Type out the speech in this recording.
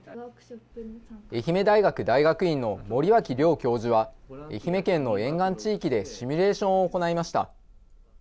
愛媛大学大学院の森脇亮教授は、愛媛県の沿岸地域でシミュレーションを行いました。